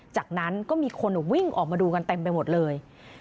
จากนั้นก็มีคนวิ่งออกมาดูกันเต็มไปหมดเลย